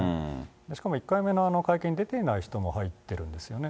しかも１回目の会見、出てない人も入ってるんですよね。